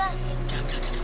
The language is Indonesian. enggak enggak enggak